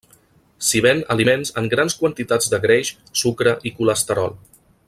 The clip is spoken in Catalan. S'hi ven aliments en grans quantitats de greix, sucre i colesterol.